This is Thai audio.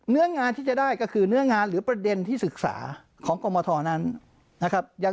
เนื้องานที่จะได้ก็คือเนื้องานหรือประเด็นที่ศึกษาของกรมทรนั้นนะครับ